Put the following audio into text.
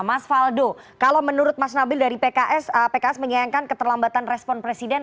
mas faldo kalau menurut mas nabil dari pks pks menyayangkan keterlambatan respon presiden